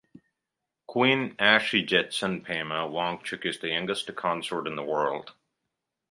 Queen "Ashi" Jetsun Pema Wangchuck is the youngest consort in the world.